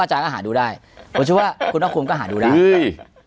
หาดูได้เขาชื่อว่าคุณน้องคลุมก็หาดูได้